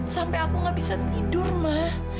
sampai aku gak bisa tidur mah